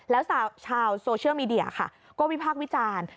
แล้วชาวโซเชียลมีเดียค่ะก็วิพากษ์วิจารณ์